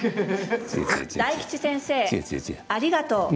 大吉先生、ありがとう。